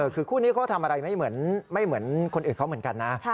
คือคู่นี้เขาทำอะไรไม่เหมือนคนอื่นเขาเหมือนกันนะ